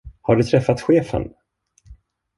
Har du träffat chefen?